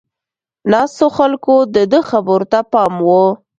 ناستو خلکو د ده خبرو ته پام و.